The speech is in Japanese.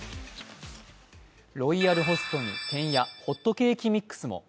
ロイヤルホストにてんやホットケーキミックスも。